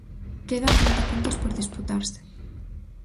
Quedan trinta puntos por disputarse.